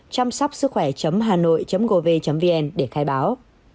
chămsapsuochoe hanoi gov vn để khai báo